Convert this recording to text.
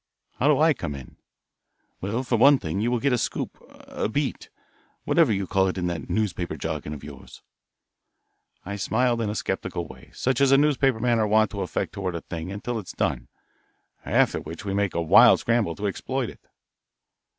"How do I come in?" "Well, for one thing, you will get a scoop, a beat, whatever you call it in that newspaper jargon of yours." I smiled in a skeptical way, such as newspapermen are wont to affect toward a thing until it is done after which we make a wild scramble to exploit it.